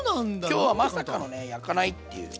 今日はまさかのね焼かないっていう。